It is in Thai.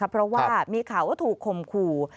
เพราะว่ามีข่าวว่าถูกคมขู่